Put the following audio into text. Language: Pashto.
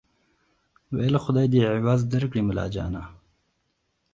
ویل خدای دي عوض درکړي ملاجانه